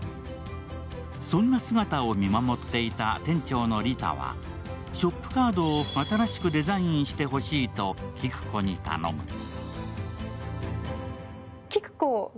そんな姿を見守っていた店長の李多はショップカードを新しくデザインしてほしいと紀久子に頼む。